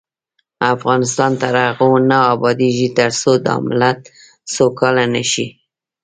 افغانستان تر هغو نه ابادیږي، ترڅو دا ملت سوکاله نشي.